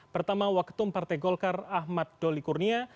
pertama waketum partai golkar ahmad doli kurnia